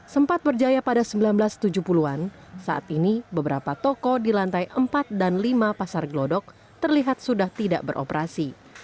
sempat berjaya pada seribu sembilan ratus tujuh puluh an saat ini beberapa toko di lantai empat dan lima pasar gelodok terlihat sudah tidak beroperasi